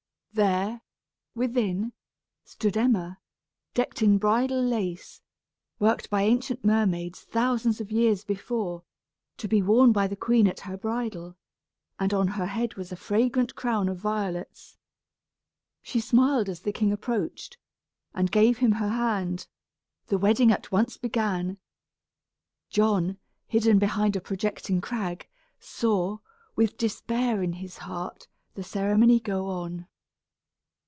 There, within, stood Emma, decked in bridal lace, worked by ancient mermaids thousands of years before, to be worn by the queen at her bridal; and on her head was a fragrant crown of violets. She smiled as the king approached, and gave him her hand; the wedding at once began. John, hidden behind a projecting crag, saw, with despair in his heart, the ceremony go on.